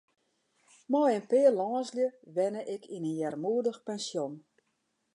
Mei in pear lânslju wenne ik yn in earmoedich pensjon.